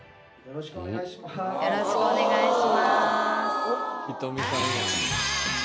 よろしくお願いします